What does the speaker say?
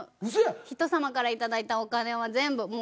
ひと様から頂いたお金は全部。